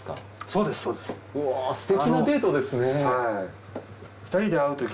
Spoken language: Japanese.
うわぁすてきなデートですね。